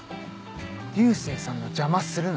流星さんの邪魔するな。